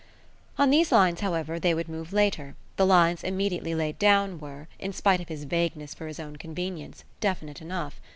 On these lines, however, they would move later; the lines immediately laid down were, in spite of his vagueness for his own convenience, definite enough.